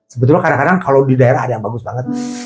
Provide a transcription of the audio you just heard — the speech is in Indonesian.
sebetulnya kadang kadang kalau di daerah ada yang bagus banget